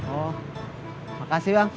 oh makasih bang